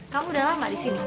kamu udah lama disini